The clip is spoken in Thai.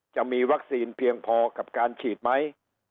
จะมีวัคซีนเพียงพอกับการฉีดไหม